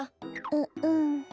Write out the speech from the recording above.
ううん。